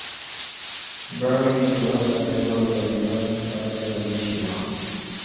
Babbitt is also a member of the ReFormers Caucus of Issue One.